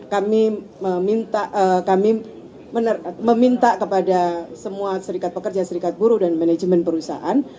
kami meminta kami meminta kepada semua serikat pekerja serikat buruh dan manajemen perusahaan